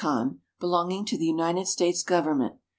the Ancon, belonging to the United States government.